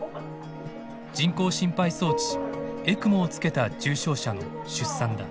人工心肺装置ＥＣＭＯをつけた重症者の出産だ。